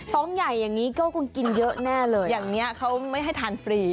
ใหญ่อย่างนี้ก็คงกินเยอะแน่เลยอย่างนี้เขาไม่ให้ทานฟรี